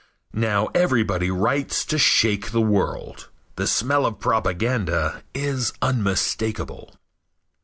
Now everybody writes to shake the world. The smell of propaganda is unmistakable.